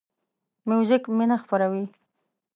موزیک مینه خپروي.